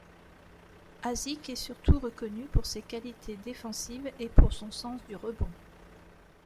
Asik est surtout reconnu pour ses qualités défensives et pour son sens du rebond.